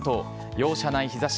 容赦ない日差し。